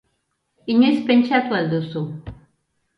Inoiz pentsatu al duzu?